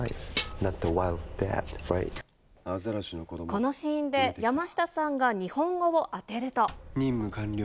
このシーンで、山下さんが日本語任務完了。